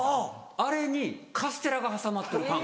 あれにカステラが挟まってるパン。